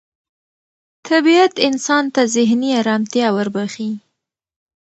طبیعت انسان ته ذهني ارامتیا وربخښي